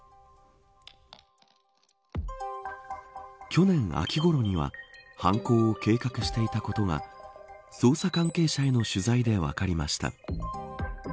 去年秋ごろには犯行を計画していたことが捜査関係者への取材で分かりました。